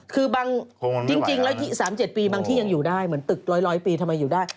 คือบางจริงแล้ว๓๗ปีบางที่ยังอยู่ได้เหมือนตึกร้อยปีทำไมอยู่ได้